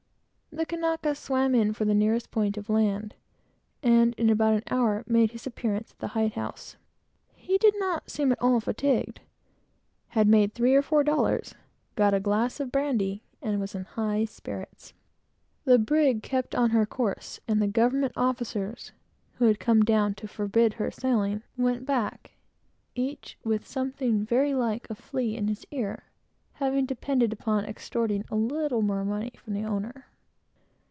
The Kanaka swam in for the nearest point of land, and, in about an hour, made his appearance at the hide house. He did not seem at all fatigued, had made three or four dollars, got a glass of brandy, and was in fine spirits. The brig kept on her course, and the government officers, who had come down to forbid her sailing, went back, each with something like a flea in his ear, having depended upon extorting a little more money from the owner.